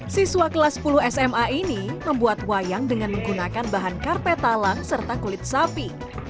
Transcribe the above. siswa kelas sepuluh sma ini membuat wayang dengan menggunakan bahan karpet talang serta kulit sapi